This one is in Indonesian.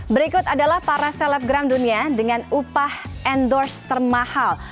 berikut adalah para selebgram dunia dengan upah endorse termahal